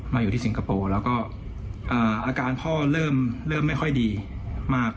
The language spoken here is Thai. อยู่ที่สิงคโปร์แล้วก็อาการพ่อเริ่มไม่ค่อยดีมาก